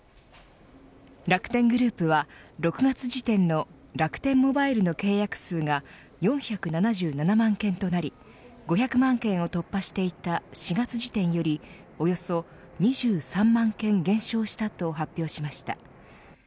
楽天グループは、６月時点の楽天モバイルの契約数が４７７万件となり５００万件を突破していた４月時点よりおよそ２３万件減少したと発表しました。